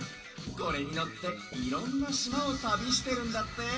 これにのっていろんなしまをたびしてるんだって。